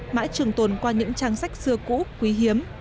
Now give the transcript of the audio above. mãi trường tồn qua những trang sách xưa cũ quý hiếm